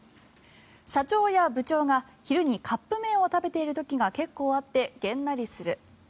社長や部長が昼にカップ麺を食べている時が結構あってげんなりする。